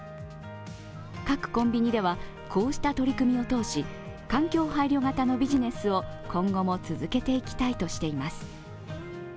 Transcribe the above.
各コンビニではこうした取り組みを通し、環境配慮型のビジネスを今後も続けていきたいとしています。